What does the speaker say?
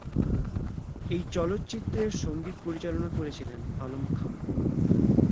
এই চলচ্চিত্রের সঙ্গীত পরিচালনা করেছিলেন আলম খান।